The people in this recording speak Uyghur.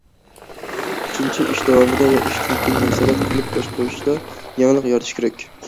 ئۈچىنچى، ئىش داۋامىدا ۋە ئىشتىن كېيىن نازارەت قىلىپ باشقۇرۇشتا يېڭىلىق يارىتىش كېرەك.